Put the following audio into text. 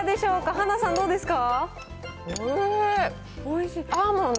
はなさん、どうですか。